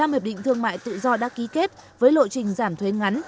một mươi năm hiệp định thương mại tự do đã ký kết với lộ trình giảm thuế ngắn